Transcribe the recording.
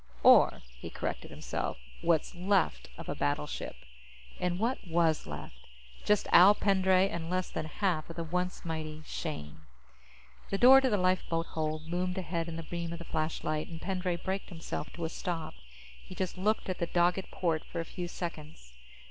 Or, he corrected himself, what's left of a battleship. And what was left? Just Al Pendray and less than half of the once mighty Shane. The door to the lifeboat hold loomed ahead in the beam of the flashlight, and Pendray braked himself to a stop. He just looked at the dogged port for a few seconds.